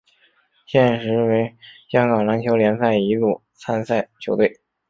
现时为香港篮球联赛乙组参赛球队。